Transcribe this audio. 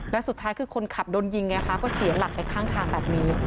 แล้วสุดท้ายคือคนขับโดนยิงไงคะก็เสียหลักไปข้างทางแบบนี้